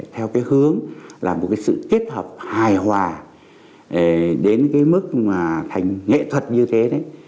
theo hướng là một sự kết hợp hài hòa đến mức thành nghệ thuật như thế đấy